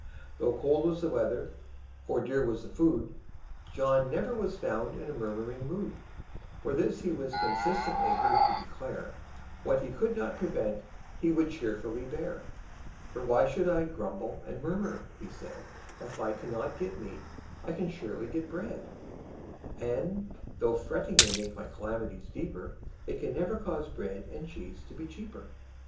Though cold was the weather, or dear was the food, John never was found in a murmuring mood; For this he was constantly heard to declare, What he could not prevent he would cheerfully bear. "For why should I grumble and murmur?" he said; "If I cannot get meat, I can surely get bread; And, though fretting may make my calamities deeper, It can never cause bread and cheese to be cheaper."